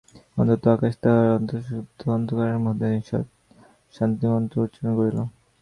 অনন্ত আকাশ তাহার অশ্রুধৌত অন্তঃকরণের মধ্যে নিঃশব্দ শান্তিমন্ত্র উচ্চারণ করিল।